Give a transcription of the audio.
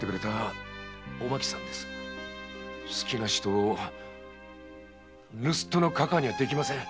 好きな人を盗っ人のかかぁにはできません。